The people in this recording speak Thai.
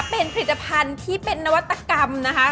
เป็นผลิตภัณฑ์ที่เป็นนวัตกรรมนะคะ